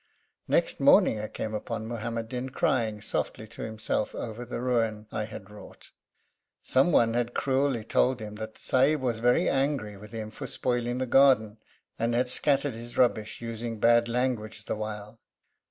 Next morning, I came upon Muhammad Din crying softly to himself over the ruin I had wrought. Some one had cruelly told him that the Sahib was very angry with him for spoiling the garden, and had scattered his rubbish, using bad language the while.